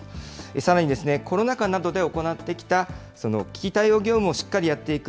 さらにコロナ禍などで行ってきた危機対応業務をしっかりやっていく。